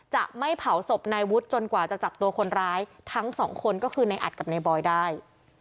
จะไม่เผาศพนายวุฒิจนกว่าจะจับตัวคนร้ายทั้งสองคนก็คือในอัดกับนายบอยได้